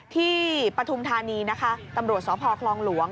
ที่ปฐุมธานีตำรวจสพหลวง